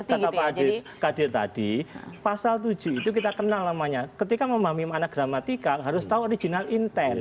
jadi pak adil tadi pasal tujuh itu kita kenal namanya ketika memahami mana gramatika harus tahu original intent